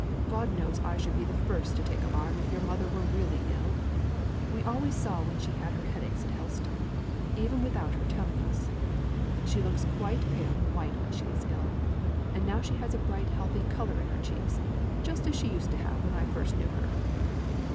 God knows I should be the first to take the alarm if your mother were really ill; we always saw when she had her headaches at Helstone, even without her telling us. She looks quite pale and white when she is ill; and now she has a bright healthy colour in her cheeks, just as she used to have when I first knew her."